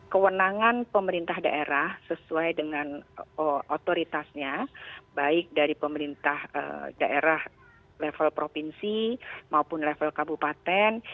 kewenangan pemerintah daerah sesuai dengan otoritasnya baik dari pemerintah daerah level provinsi maupun level kabupaten